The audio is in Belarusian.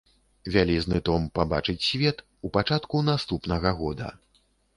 Вялізны том пабачыць свет у пачатку наступнага года.